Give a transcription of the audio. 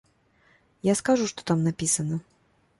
Я скажу, што там напісана!